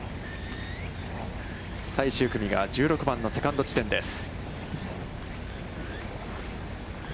最終組が１６番のセカンド地点です。